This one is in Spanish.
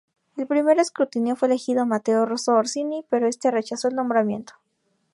Al primer escrutinio fue elegido Matteo Rosso Orsini, pero este rechazó el nombramiento.